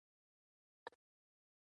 د حاجي ګک د وسپنې کان په بامیان کې دی